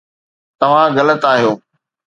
توهان غلط آهيو